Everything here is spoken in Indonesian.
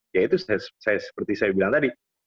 ya itu seperti saya bilang tadi